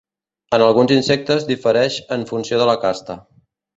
En alguns insectes difereix en funció de la casta.